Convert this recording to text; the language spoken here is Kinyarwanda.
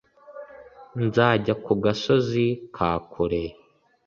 Nzajya ku gasozi kakure